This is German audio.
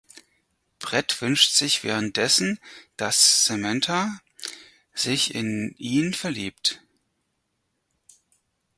Brett wünscht sich währenddessen, dass Samantha sich in ihn verliebt.